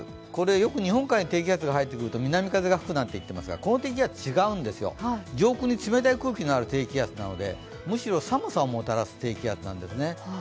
これよく日本海に低気圧が入ってくると南風が吹くなんていいますけどこの低気圧、違うんですよ、上空に冷たい空気のある低気圧なのでむしろ寒さをもたらす低気圧なんですね。